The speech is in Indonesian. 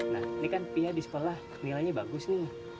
nah ini kan pia di sekolah nilainya bagus nih